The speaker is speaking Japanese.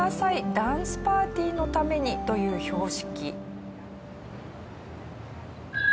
ダンスパーティーのために！」という標識。